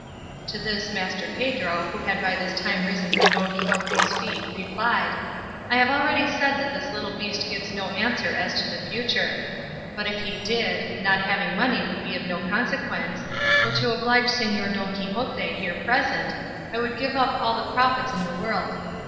To this Master Pedro, who had by this time risen from Don Quixote's feet, replied, "I have already said that this little beast gives no answer as to the future; but if he did, not having money would be of no consequence, for to oblige Señor Don Quixote, here present, I would give up all the profits in the world.